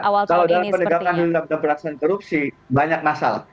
kalau dalam penegakan undang undang perasaan korupsi banyak masalah